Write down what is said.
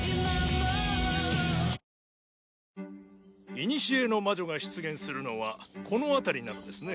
古の魔女が出現するのはこの辺りなのですね。